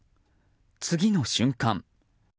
次の瞬間